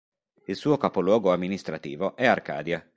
Il suo capoluogo amministrativo è Arcadia.